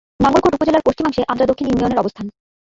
নাঙ্গলকোট উপজেলার পশ্চিমাংশে আদ্রা দক্ষিণ ইউনিয়নের অবস্থান।